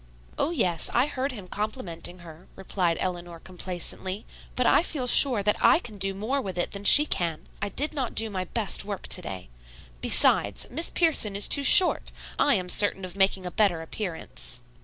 "Oh, yes; I heard him complimenting her," replied Eleanor complacently, "but I feel sure that I can do more with it than she can. I did not do my best work to day. Besides, Miss Pierson is too short. I am certain of making a better appearance."